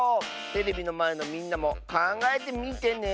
テレビのまえのみんなもかんがえてみてね。